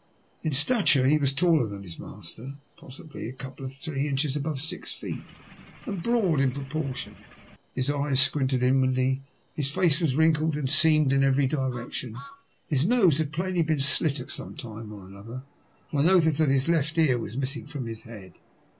In stature he was taller than his master, possibly a couple or three inches above six feet, and broad in proportion. His eyes squinted inwardly, his face was wrinkled and seamed in every direction, his nose had plainly been slit at some time or another, and I noticed that his left ear was missing from his head.